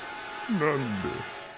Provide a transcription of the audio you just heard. なんで。